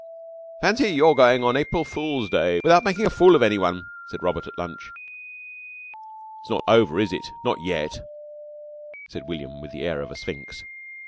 "Fancy your going on April Fool's day without making a fool of anyone," said Robert at lunch. "It's not over, is it? not yet," said William with the air of a sphinx.